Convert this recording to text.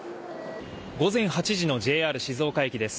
午前８時のＪＲ静岡駅です。